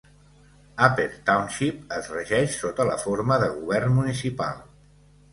Upper Township es regeix sota la forma de govern municipal.